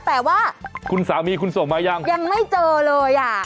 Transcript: แต่ว่าคุณสามีคุณส่งมายังยังไม่เจอเลยอ่ะ